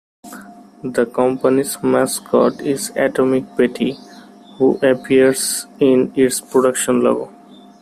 The company's mascot is Atomic Betty, who appears in its production logo.